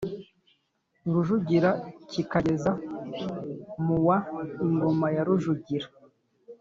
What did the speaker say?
Rujugira kikageza mu wa Ingoma ya Rujugira